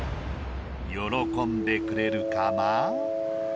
［喜んでくれるかな？］